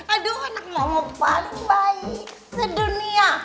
aduh anak ngomong paling baik sedunia